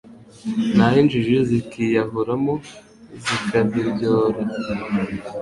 naho injiji zikiyahuramo zikabiryora